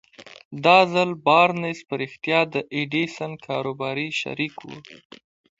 دا ځل بارنس په رښتيا د ايډېسن کاروباري شريک و.